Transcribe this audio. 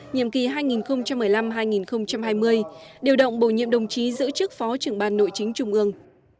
nhiệm kỳ hai nghìn một mươi năm hai nghìn hai mươi điều động bổ nhiệm đồng chí giữ chức phó trưởng ban nội chính trung ương